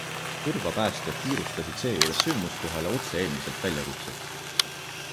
Tõrva päästjad kiirustasid seejuures sündmuskohale otse eelmiselt väljakutselt.